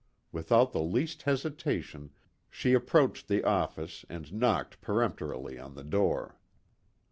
Without the least hesitation she approached the office and knocked peremptorily on the door.